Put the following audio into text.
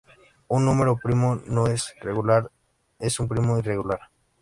Un número primo que no es regular es un primo irregular.